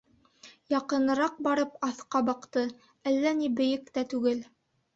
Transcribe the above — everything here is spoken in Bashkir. Яҡыныраҡ барып, аҫҡа баҡты, әллә ни бейек тә түгел.